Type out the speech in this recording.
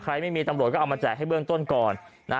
ไม่มีตำรวจก็เอามาแจกให้เบื้องต้นก่อน